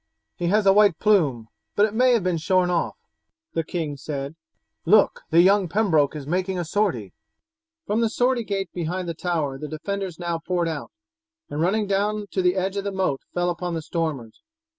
"He has a white plume, but it may have been shorn off," the king said. "Look, the young Pembroke is making a sortie!" From the sortie gate behind the tower the defenders now poured out, and running down to the edge of the moat fell upon the stormers.